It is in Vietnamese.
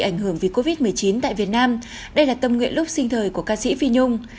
ảnh hưởng vì covid một mươi chín tại việt nam đây là tâm nguyện lúc sinh thời của ca sĩ phi nhung